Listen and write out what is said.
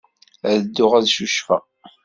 Ad dduɣ ad ccucfeɣ.